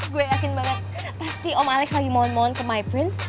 gue yakin banget pasti om alex lagi mohon mohon ke my prince